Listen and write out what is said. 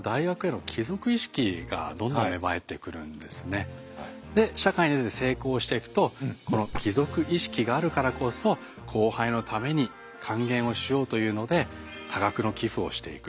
そこからで社会に出て成功していくとこの帰属意識があるからこそ後輩のために還元をしようというので多額の寄付をしていく。